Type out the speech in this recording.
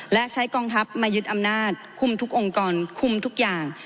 และใช้กองทัพมายึดอำนาจคุมทุกองค์กรคุมทุกอย่าง